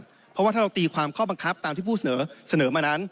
เพราะว่าถ้าเราตีความข้อบังคับตามที่ผู้เสนอมานั้น